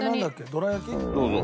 どら焼き？